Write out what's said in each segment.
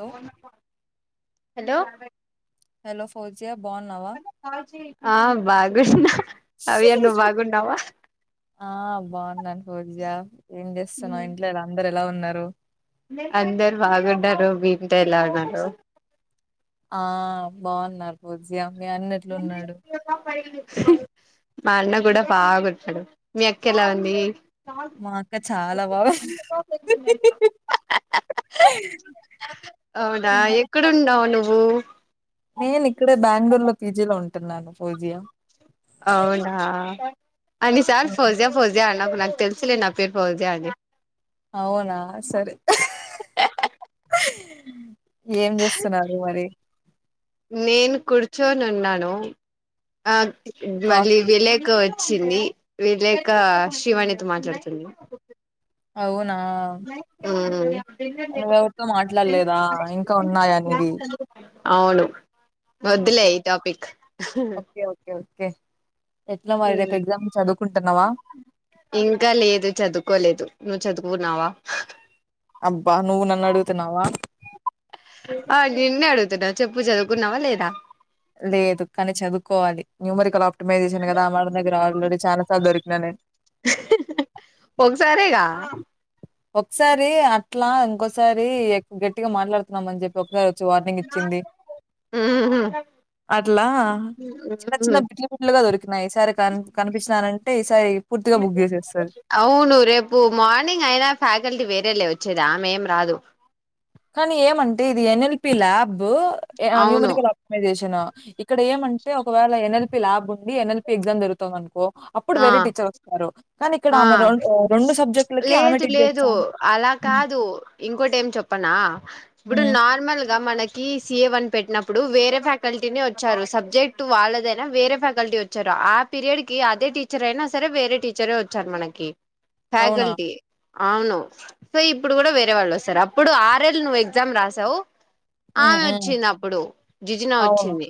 Hello phone number hello hello ఫ్లోజ్ ఆ బాగు క్రిష్ణా ఆ బాగున్నాను. పూజ ఏం చేస్తున్నావ్ ఇంట్లో వాళ్లందరు ఎ ఎలా ఉన్నారు. అందరు బాగున్నారు. భీమిత ఎలా [unintelligible] ఆ బాగున్నారు. పూజ్య మీ అన్న ఎట్లు ఉన్నాడు మా అన్న కూడా బాగాఉన్నాడు. మీ అక్క ఎలా ఉంది. మా అక్క చాలా బాగా అవునా ఎక్కడ ఉన్నావ్ నువ్వు ఓ నేను ఇక్కడే బెంగళూరు లో పీజీలో ఉంటున్నాను. ఫోజియ అవునా అన్నిసార్లు ఫోజియా ఫోజియా అం నాక్ నాకు తెలుసులే నా పేరు ఫోజియా అనీ అవునా సరే ఉహ్ ఏం చేస్తున్నారు మరి ర్చొని ఉన్నాను ఆహ్ మళ్ళీ కాఫీ విళ్లేకు వచ్ వచ్చింది. వీలేక, శివాణితో మాట్లాడుతుంది. అవున్ నా మ్మ్ నువ్వ ఎవరితో మాట్లాడలేదా ఇంకా ఉన్నాయ నీవి. అవును వద్దులే ఓకే ఈ టాపిక్. కే ఇంకా లేదు చదువుకోలేదు. నువ్వు చదువ్ గున్నావా అబ్బా నువ్వు నన్ను అడుగుతున్నావా. ఆ నిన్నే అడుగుతున్నా చెప్పు చదువుకున్నావా లేదా. లేదు కానీ చదువుకోవాలి. న్యూమరికల్ ఆప్టిమైజేషన్ కదా ఆ మేడం దగ్గర ఆల్రెడీ చాలాసార్ దొరికినా నేను. ఒకసారేగా ఒకసారి అట్లా ఇంకోసారి ఎక్ గట్టిగా మాట్లాడుతున్నామని చెప్పి ఓక్ సరీ వచ్చి వార్నింగ్ ఇచ్చింది. ఉహు అట్లా చిన్న ఉహు చిన్న బిడ్లు బిట్లుగా దొరికినాయి. ఈ సారి కనీ కనిపించినారంట్ టె ఈ సాయి అవును రేపు మార్నింగ్ అయినా ఫ్యాకల్టీ వేరే లే వచ్చేది. ఆమె ఏం రాదు కానీ ఏమంటే ఇది ఎన్. ఎల్. పి ల్యాబ్ బ్బో అవును న్యూమరికల్ ఆప్టిమైజేషన్ ఇక్కడ ఏమంటే ఒకవేళ ఎన్. ఎల్. పి ల్యాబ్ ఉండి. ఎన్. ఎల్. పి ఎగ్జామ్ జరుగుతుంది. అనుకో ఆ ఆ ఆమె రొం ఆహ్, సబ్జెక్ట్‌లకి ఆమె లేదు టీచ్ లేదు చేస్తాంది. అలా హ్మ్. కాదు. ఇంకోటి ఏం చెప్పనా. ఇప్పుడు హ్మ్. నార్మల్ గా మనక్ కి సి. ఏ. వన్ పెట్టినప్పుడు వేరే ఫ్యాకల్టీ వచ్చారు. సబ్జెక్ట్ వాళ్ళదైనా వేరే ఫ్యాకల్టీ వచ్చారు. ఆ పీరియడ్ కి అదే టీచర్ అయినా సరే వేరే టీచరే వచ్చారు. మనకి అవునా? ఫ్యాకల్టీ అవును సో ఇప్పుడు కూడా వేరే వాళ్ళు వస్తారు అప్పుడు ఆర్ఎల్ నువ్వు ఎగ్జామ్ రాసావు హ్మ్. ఆమె హ్మ్. వచ్చింది అప్పుడు జిజనా అవును. వచ్చింది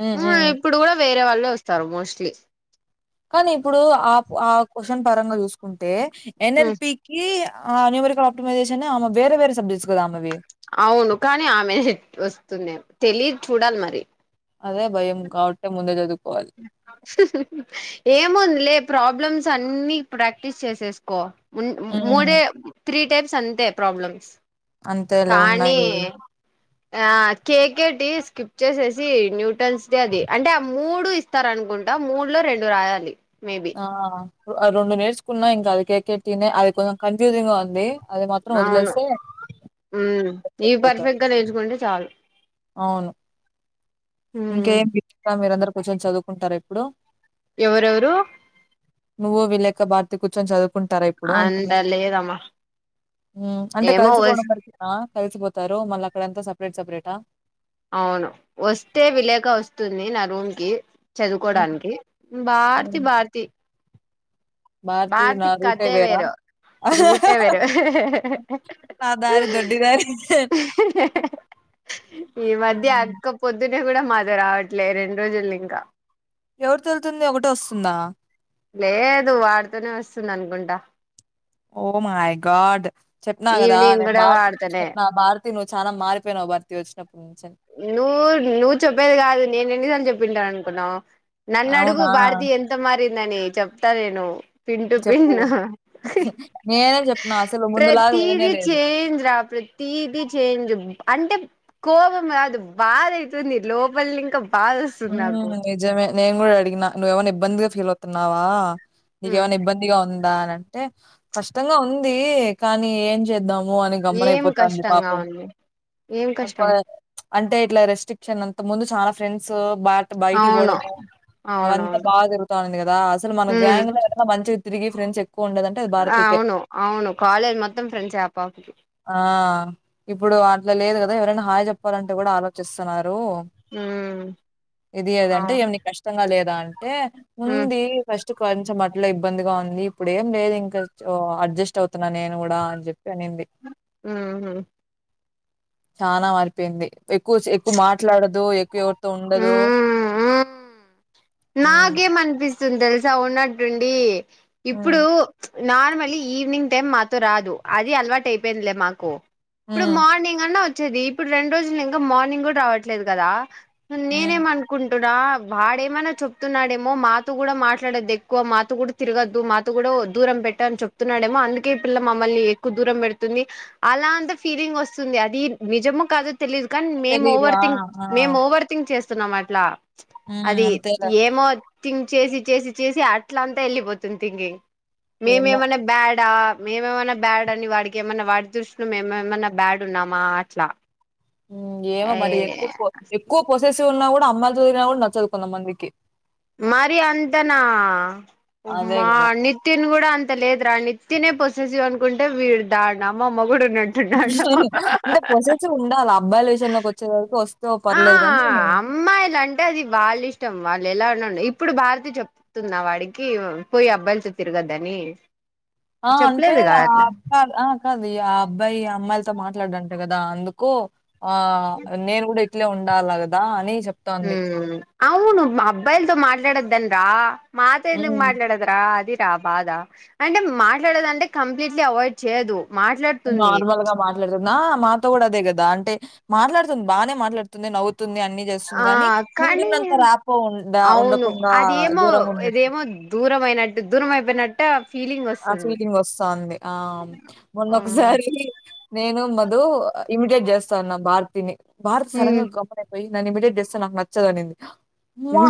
హ్మ్. ఉ హ్మ్. ఇప్పుడు కూడా వేరే వాళ్ళు [inaudible] వస్తారు మోస్ట్లీ కానీ ఇప్పుడు ఆప్ ఆ క్యూస్షన్ పరంగా చూసుకుంటే ఉమ్, ఎన్ఎల్పీకి ఆ న్యూమరికల్ ఆప్టమైజేషన్ ఆమె వేరే వేరే సబ్జెక్ట్స్ కదా ఆమెవి అవును కానీ ఆమె వస్తుంది తెలిదు చూడాలి మరి అదే భయం కాబట్టే ముందే చదు ఏముంది లే ప్రాబ్లమ్స్ అన్ని ప్రాక్టీస్ చేసేసుకో మున్ హ్మ్. మూడే త్రీ టేప్స్ అంతే ప్రాబ్లమ్స్ అంతేలే ఉన్నాయి కానీ [inaudible] డు ఆ కేకేటి స్కిప్ చేసేసి న్యూటన్స్ డే అది అంటే ఆ మూడు స్తారనుకుంటా మూడు లో రెండు రాయాలి మేబి ఆ అ రెండు నేర్చుకున్నా ఇంకా అదుకే కేటినే అది కొంచెం కన్ఫ్యూషన్ గా ఉం దే అవును ఉమ్ సెట్ ఇవి అయిపోతారు. పర్ఫెక్ట్ గా నేర్చుకుంటే చాలు అవును ఉమ్ ఇంకేమి ఆ మీరందరు కొంచెం చదువుకుంటారా ఇప్పుడు ఎవరెవరు నువ్వు విలేక భారతి కూర్చొం చదువు కుంటారా ఇప్పుడు అంత అంటునా లేదమ్మా ఉమ్ అంటే ఏమో వస్ కలిసిపోడం వరకేనా కలిసిపోత్ తారు మళ్ళ అక్కడంతా సపరేట్ సపరేటా అవును వస్తే విలేక వస్తుంది నా రూమ్ కి హ్మ్. చదువుకోవడానికి భారతి హ్మ్. భారతి భారతి నా భార్తీ రూటే కథె వేరా? వేరు రూటే వేరు నా దారి దొడ్డి దారి. ఈ మధ్య హ్మ్. అక్క పొద్దు నే కూడా మాతో రావట్లే రెండు రోజులు ఇంకా ఎవరితో వెలుతుంది ఒకటె వస్తుందా లేదు వాడుతోనే వస్తుంది అనుకుంటా ఓ మాయ్ గాడ్ చెప్పిన కదా ఈవినింగ్ నేను కూడా భారతి కి [inaudible] వాడుతనే చెప్పిన భార్ నువ్వు చాలా మారిపోయినవ్ భారతి వచ్చినపు నువ్వు నువ్వు చెప్పేది కాదు నేను ఎన్ని చెప్ప పిండ అనుకున్నవ్ నన్న అడుగు అవునా? భారతి ఎంత మారి అని చెప్తా నేను పింటూ పిన్ చెప్పు. నేనే చెప్పినా అసలు ముందులాగా లేనే ప్రతీది లేదు. చేంజ్ రా ప్రతీది చేంజ్ అంటే కోవ గాదు బాధ అవతుంది లోపలి ఇంకా బాధ ఉ వస్తుంది నాకు నిజమే నేను గూడా అడిగినా నువ్వేమైనా ఇబ్బందిగా ఫీల్ అవుతున్నావా నీకేమన్నా ఇబ్బందిగా ఉంది దా అని అంటే కష్టంగా ఉంది కానీ ఏం చేద్దాం ఉ అని గమ్మన ఏం అయిపోతాంది కష్టంగా పాపం ఉంది ఏం కష్టం అంటే ఇట్లా రిస్ట్రిక్ట్ అంత ముందు చాలా ఫ్రెండ్స్ సో బ బయటి అవును పోవడము అవంతా అవునవును బాగా జరుగుతా ఉంది కదా అసలు మన ఉమ్ గ్రాంగ్ లో మంచి తిరిగి ఫ్రెండ్స్ ఎక్కువ ఉండేదంటే అది భారతికే. అవును అవును కాలేజ్ మొత్తం ఫ్రెండ్స్ ఆ పాపకి ఆ! ఇప్పుడు అట్లా లేదు గదా ఎవరైనా హాయ్ చెప్పాలంటే కూడా ఆలోచిస్తున్నారు ఉ ఇది అదంటే ఏమని కష్టంగా లేదా అ ఏ ఉమ్ ఉంది ఫస్ట్ కొంచెం అట్ల ఇబ్బందిగా ఉంది ఇప్పుడు ఏం లేదు ఇంకా అడ్జస్ట్ అవుతున్నా నేను గూడా అని చెప్పి ఊహు చానా మారిపోయింది ఎక్కువ ఎక్కువ మాట్లాడదు ఎక్కువ ఉండదు హ్మ్. నాకేం అనిపి తుందెల్సా ఉన్నట్టుండి హ్మ్. ఇప్పుడు నార్మలీ ఈవినింగ్ టైమ్ మాతో రాదు అది అలవాటు అయిపోయిందిలే మాకు ఇప్పుడు హ్మ్. మార్నింగ్ అన్నా వ వచ్చేది ఇప్పుడు రెండు రోజులు నింకా మార్నింగ్ కూడా రావట్లేదు కదా హ్మ్. నేనేం అనుకుం ఇటు డా వాడేమన్నా. చెప్తున్నాడేమో మాతో కూడా మాట్లాదేద్దు ఎక్కువ, మాత కూడా తిరగొద్దు, మాత కూడా దూరం పెట్టు అని చెప్తున్నాడేమో, అందుకే పిల్ల మమ్మల్ని ఎక్కువ దూరం పెడుతుంది, అలా అంత ఫీలింగ్ వొస్తుంది, అది నిజమో. కాదొ. తెలీదు కానీ, మేం తెలీదు. ఓవర్ ఆ! థింక్, మేం ఓవర్ థింక్ చేస్. స్తున్నాం అట్లా. ఉమ్ అది అంతే. ఏమో తిన్. చేసి చేసి చేసి అట్ల అంతా, ఎళ్ళిపోతుంది తింకింగ్. ఏమో! మేమేమన్నా బ్యాడ్. అట్లా మేమేమన్నా బ్యాడ్ అని వాడికి ఏమైన్నా వాడి దృష్టిలో మేము ఏమన్నా బ్యాడ్ ఉన్నామా అట్లా. ఏమో ఏ మరి ఎక్కువ ఎక్కువ పోస్. ఇనటేసి ఉన్నా కూడా అమ్మాయి లు తిరిగిన కూడా నచ్చదు కొంతమందికి. మరీ అంత నా, అదే మా గదా! నితిన్ కూడా అంత లేదురా నితిన్ పొస్. [unintelligible] అంటే పోసేసి ఉండాల, అబ్బాయిల విషయంలోకి, వచ్చేసరికి వొస్. ఆ అమ్మాయిలు అంటే, అది వాళ్ళ ఇష్టం, వాళ్. లేల ఉన్నాండ ఇప్పుడు భారతి చెప్తున్నా వాడికి పోయి అబ్బాయిలతో తిరగద్దని. ఆ అంటే చెప్పలేదుగా అ అట్లా అప్ప ఆన్. అది ఆ అబ్బాయి అమ్మాయిలతో మాట్లాడ అంట కదా అందుకు. ఆ నేను కూడా ఇప్. ఇట్లా ఉండాల, కదా అని. చెప్తోంది. ఉమ్. అవును మా అబ్బాయిలతో మాట్లాడదంట. మాతో ఎందుకు హ్మ్. మాట్లాడదురా అది. అంటే అ బాధా, అంటే మాట్లాడద అంటే కంప్లీట్లీ చెయ్ అవాడ్ చేయ్యదు. నార్మల్ గా మాట్లాదమం. నా మాతో కూడా అదే కదా, అంటే మాట్లాడుతుంది, బానే మాట్లాడుతుంది, నవ్వు. ఆ కానీ, ర్యాపో ఉండ అవును, ఉండకుండా అదేమో దూరంగున్నట్టు. ఇదేమో దూరం అయినట్టు, దూరం అయిపోయినట్టు. ఆ ఫీలింగ్ వస్తాంది, ఆ మొన్న ఆ ఒకసారి. నేను మధు, ఇమిటేట్ చేస్తా, ఉన్నమ్ భారతి ని. భారత్, సడన్‌గా, ఉమ్ గమ్మున్నయ్ పోయి. న ఇమిటేట్ చేస్తే, నాకు నచ్చదు, అనింది. ఉమా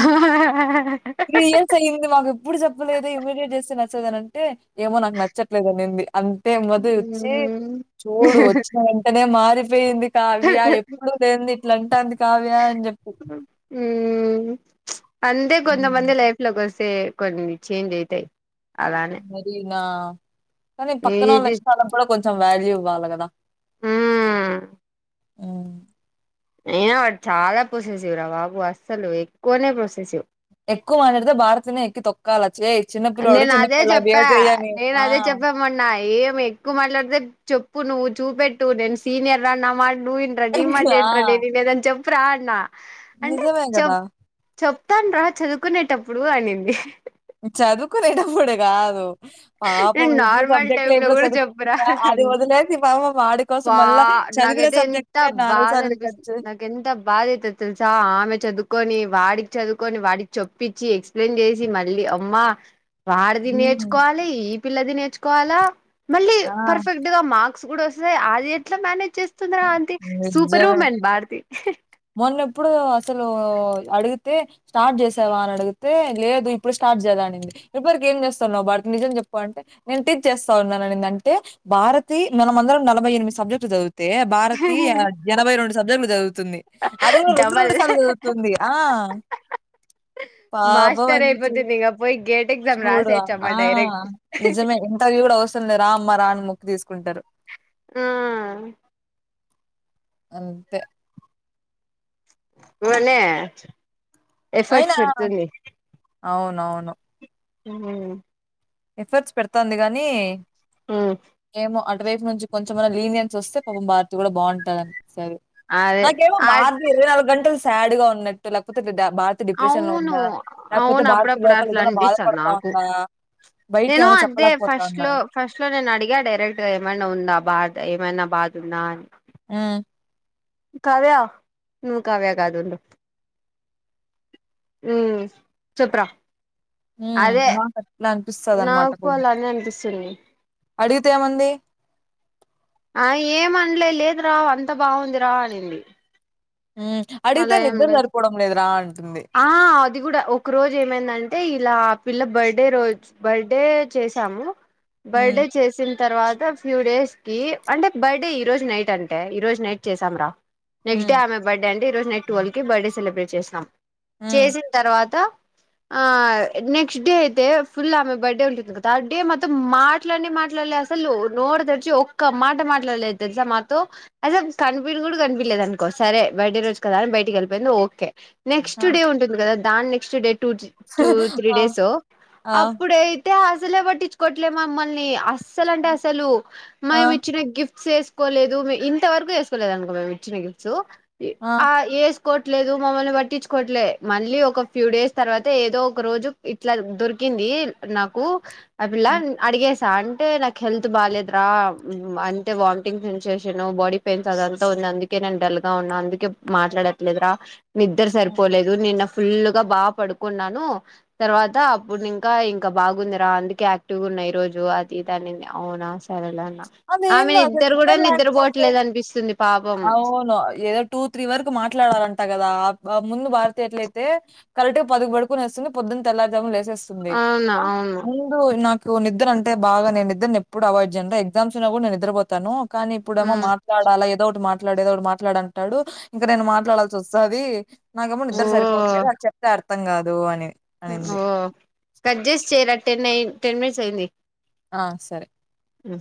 త్రీ ఇయర్స్ అయంది మాకు ఎప్పుడు చెప్పలేదు ఇమీడిట్ చేస్తే. చెదరని. అంటే ఏమో నాకు నచ్చట్లేదు అనింది అంతే మధు వచ్చి ఉమ్ చూడు వచ్చిన వెంటనే మారి పెంది కావ్య ఎప్పుడు లేంది లంటంది ఉమ్ అందే కొంత మంది లైఫ్ లో కోస్ తే కొన్ని చేంజ్ అయితై అలానే మరి నా కనీ పక్కనోళ్ల ఇది ఇష్టాలకు కూడా కొంచెం వాల్యూ ఇవ్వాల కదా ఉమ్ ఉమ్ అయినా వాడు చాలా పోసేసివురా బాబు అస్సలు ఎక్కువనే పోసేసివ్ ఎక్కు మాట్లాడితే భారతి నే ఎక్కి తొక్కాలచ్చే నేను అదే చెప్పా నేను ఆ! అదే చెప్పామన్న ఏం ఎక్కువ మాట్లాడితే చె ప్పు నువ్వు చూపెట్టు నేను సీనియర్ నా మాట నువ్వు ఇన్రా నీ మాట ఆ! ఏంట్రా నేను ఇనేది అని చే ప్రాణ నిజమే కదా చెప్తాను రా చదువుకునేటప్పుడు అనింది చదువుకోని ఇడ ప్పుడ కాదు నేను నార్మల్ టైమ్ లో కూడా చెప్పరా చదువుకుంటుందా? అది అంట వదిలేసి పాపం వాడి కోసం బా మళ్ళా చదివిన నాకైతే ఎంత సబ్జెక్ట్‌లే బాధ సార్లు అనిపిస్తు కట్ చేసి నాకెంత బాధ అయితది తెలుసా ఆమె చదువుకొని వాడికి చదువుకొని వాడికి చొప్పించి ఎక్స్ప్లెయిన్ చేసి మళ్ళీ అమ్మా వాడిది నేర్చు హ్మ్. ఈ పిల్లది నేర్చుకోవాలా మళ్ళీ ఆ! పర్ఫెక్ట్ గా మార్క్ ర్క్స్ కూడా వస్తయి అది ఎట్లా మేనేజ్ చేస్ తుందిర అంతి సూపర్ నిజమే. వుమెన్ భారతి స మొన్నెప్పుడు అసలు అడిగితే స్టార్ట్ చేసావా అని అడిగితే లేదు ఇప్పుడు స్టార్ట్ చేలా అనింది ఇప్పడి వరకు ఏం చేస్తాన్నావు భారతి నిజం చెప్పు అంటే నేను టీచ్ చేస్తా ఉన్నా అనింది అంటే భారతి మనమందలం నలభై ఎనిమిది సబ్జెక్ట్ చదువు తే భారతి ఎనభై రెండు సబ్జెక్టులు చదువుతుంది అది కూడా రొండు రొండు డబల్ సార్లు చదువుతుంది ఆ పాపం అనిపిచేది ఇగే చూడు ఆ నిజమే ఇంటర్వ్యూ కూడా వాస్ అసలు రామ్మ రాని మొక్కు తీసుకుంటారు ఆ అంతే ఉనే అయినా ఎఫర్ట్స్ పెడుతుంది అవునవును ఉ ఎఫర్ట్స్ పెడతంది గాని ఏమో అ అ వైపు నుంచి కొంచెంమన లీనియన్స్ వస్తే పాపం భారతి కూడా బాగుంటది అని సరే అదే నా కేమో ఆ భారతీ ఇరవైనాలుగు గంటలు శాడ్ గా ఉన్నట్టు లేకపోతే భారతి డిప్రెషన్ లో అవును ఉందా లేకపోతే అవును భారతి అప్పుడప్పుడు లోపల అట్లా ఏదైనా అనిపిస్తాంది బాధపడతా నాకు ఉందా నేను బయటికేమైనా అదే చెప్పలేకపోతా ఫస్ట్ ఉందా? లో ఫస్ట్ లో నేను అడిగా డైరెక్ట గ ఏమైనా ఉందా బాత ఏమైనా బాదున్నాన్ ఆ కావ్య నువ్వు కావ్య కాదుండు ఉ చేప్ర హుమ్ నాకు అట్లే అనిపిస్తుంది అన్నమాట నాకు అలానే అనిపిస్తుంది అడిగితే ఏమంది ఆ ఏమనలే లేదు రా అంత బాగుంది రా అనింది హుమ్ అడిగితే అలా ఏం నిద్ర లేదు సరిపోవడం లేదు రా అంటుంది ఆ అది కూడా ఒక రోజు ఏమైందంటే ఇలా ఆ పిల్ల బర్త్డే రోజు బర్త్డే చేసాము హ్మ్. బర్డే చేసింది తర్వాత ఫ్యూ డేస్ కి అంటే బర్డే ఈ రోజు నైట్ అంటే ఈ రోజు నైట్ చేసాం రా నెక్స్ట్ డే హ్మ్. ఆమె బర్డ అండి ఈ రోజు నై టువాల్వే కి బర్త్డే సెలెబ్రేట్ చేశాం హ్మ్. చేసిన తర్వాత ఆ నెక్స్ట్ డే అయితే ఫుల్ ఆమె బర్త్డే ఉంటుంది. కదా ఆ బర్త్డే మాతోం మాట్లానే మాట్లాడలే అసలు నోట తేడిచి ఒక్క మాట మాట్లాడలేదు. తెలుసా మాతో అసలు కనిపియని కూడా కనిపియలేదు అనుకో సరే బర్త్డే రోజు కదాని బయటికి వెళ్ళపోయింది ఓకే ఆ! నెక్స్ట్ డే ఉంటుంది కదా దా next date two two three ఆ! డేస్ ఆ! అప్పుడే హసలే బటిచ్కోట్ల మమ్మల్ని అస్సలు అంటే అసలు ఆ! మేమి ఇచ్చిన గిఫ్ట్ చేసుకోలేదు మే ఇంతవరకు చేసుకోలేదు అనుకో మేము ఇచ్చిన గిఫ్ట్స్ ఆ ఏస్ కోట్లేదు మమ్మల్ని పట్టించుకోవట్లే మళ్ళీ ఒక ఫ్యూ డేస్ తర్వాత ఏదో ఒక రోజు ఇట్లా దొరికింది నాకు అ పిల్లా హ్మ్. న్ అడిగే స్ సా అంటే నాకు హెల్త్ బాలేదురా అంటే వామిటింగ్ సెన్సయేషను బాడీ పెయిన్స్ అదంతా ఉంది అందుకే నేను డల్గా ఉన్నా అందుకే మాట్లాడట్లేదురా నిద్దర్ హ్మ్. సరిపోలేదు నిేన్న ఫుల్ గా బా పడుకున్నాను తర్వాత, అప్పుడు ఇంకా ఇంకా బాగుందిరా అందుకే యాక్టివ్గా ఉన్నా ఈ రోజు అది ఇది అనింది అవునా సరేలే అన్నా ఆమె అదేందో అసలు నిద్దర్ కూడ నిద్ర లేకపోతే పోవట్లేదు అనిపిస్తుంది పాపం అవును ఏదో టూ త్రీ వర్ కు మాట్లాడాలంట కదా ఆ ముందు భారతీ ఎట్లయితే కరెక్ట్ గా పది కి పడుకొనేస్తుంది పొద్దున తెల్లార్జామున్ లే చేస్తుంది అవునా అవును ముందు నాక్ కు నిద్ర అంటే బాగా నే నెన్ నిద్ర నీ ఎప్పుడు అవాయిడ్ చేయన్ ఎగ్జామ్స్ ఉన్నా కూడా నేను నిద్రపోతాను కానీ ఇప్పుడేమో మాట్లాడాలా ఏ ఒటి మాట్లాడేది ఒకడు మాట్లాడు అంటాడు ఇంక నేను మాట్లాడాల్సి వస్తది నా కేమో ఓ నిద్దర్ సరిపోట్లేదు అది చెప్తే ర్ అర్థం కాదు అని అనింది. ఓ కట్ జేసీ చేరా టెన్ అయిన్ టెన్ మినిట్స్ అయింది ఆ సరే అ